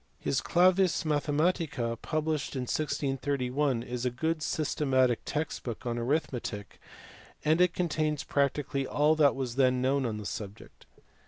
His Clams Mathematica published in 1631 is a good sys tematic text book on arithmetic, and it contains practically all that was then known on the subject.